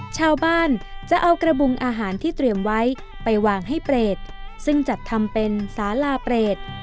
ชาวบ้านจะเอากระบุงอาหารที่เตรียมไว้ไปวางให้เปรตซึ่งจัดทำเป็นสาลาเปรต